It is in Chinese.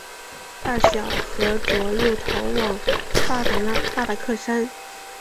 大小和卓又逃往巴达克山。